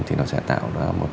thì nó sẽ tạo ra một